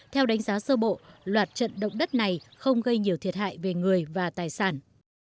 theo đánh giá sơ bộ loạt trận động đất này không gây nhiều thiệt hại về người và tài sản